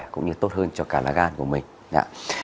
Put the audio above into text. cũng như tốt hơn cho cả lá gan của mình